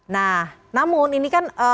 nah namun ini kan